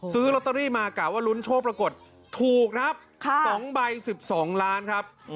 ซื้อลอตเตอรี่มากะว่าลุ้นโชคปรากฏถูกนะครับ๒ใบ๑๒ล้านครับ